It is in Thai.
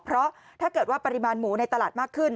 เพราะถ้าเกิดว่าปริมาณหมูในตลาดมากขึ้น